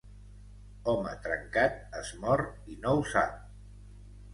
Home trencat es mor i no ho sap.